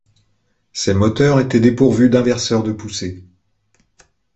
Ces moteurs étaient dépourvus d'inverseurs de poussée.